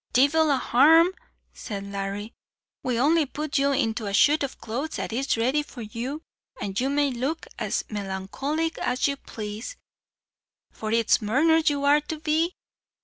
"Divil a harm," said Larry. "We'll only put you into a shoot o' clothes that is ready for you, and you may look as melancholy as you plaze, for it is murners you are to be.